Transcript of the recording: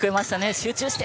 集中して！